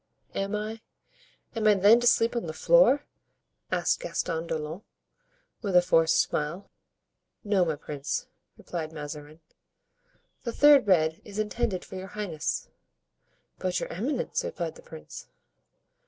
"Am I—am I, then, to sleep on the floor?" asked Gaston d'Orleans, with a forced smile. "No, my prince," replied Mazarin, "the third bed is intended for your highness." "But your eminence?" replied the prince.